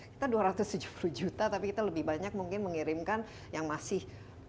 kita dua ratus tujuh puluh juta tapi kita lebih banyak mungkin mengirimkan yang masih